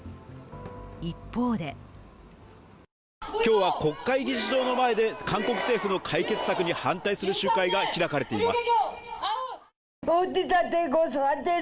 一方で今日は国会議事堂の前で韓国政府の解決策に反対する集会が開かれています。